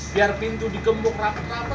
biar pintu digembok rapet rapet